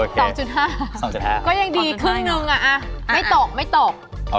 ถ้าลูกค้ามาเราก็ให้เยอะเยอะ